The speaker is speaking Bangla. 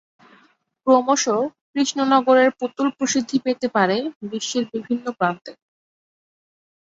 ক্রমশ কৃষ্ণনগরের পুতুল প্রসিদ্ধি পেতে থাকে বিশ্বের বিভিন্ন প্রান্তে।